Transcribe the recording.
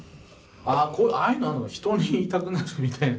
あああいうのあるな人に言いたくなるみたいな。